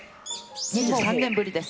２３年ぶりです。